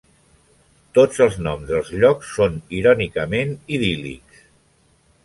Tots els noms dels llocs són irònicament idíl·lics.